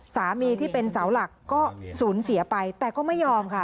สามีที่เป็นเสาหลักก็สูญเสียไปแต่ก็ไม่ยอมค่ะ